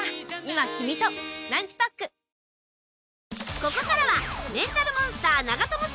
ここからは。